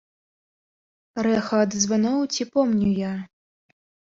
Рэха ад званоў ці помню я?